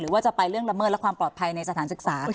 ว่าจะไปเรื่องละเมิดและความปลอดภัยในสถานศึกษา